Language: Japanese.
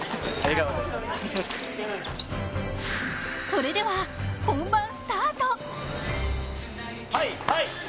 それでは、本番スタート！